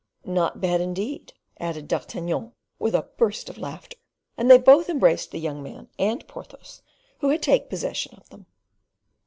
"Not bad, indeed!" added D'Artagnan, with a burst of laughter, and they both embraced the young man and Porthos, who had taken possession of them.